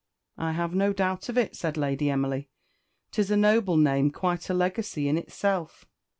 "I have no doubt of it," said Lady Emily. "Tis a noble name quite a legacy in itself."